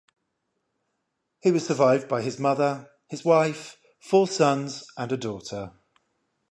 He was survived by his mother, his wife, four sons, and a daughter.